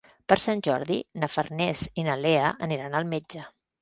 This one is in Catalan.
Per Sant Jordi na Farners i na Lea aniran al metge.